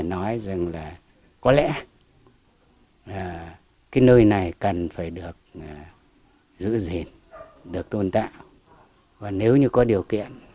nói rằng là có lẽ là cái nơi này cần phải được giữ gìn được tôn tạo và nếu như có điều kiện